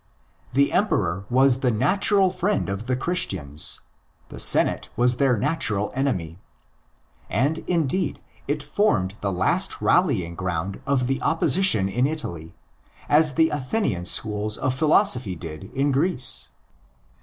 The Emperor was the natural friend of the Christians; the Senate was their natural enemy. And, indeed, it formed the last rallying ground of the opposition in Italy, as the Athenian schools of philosophy did in Greece.